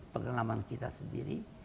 pengenaman kita sendiri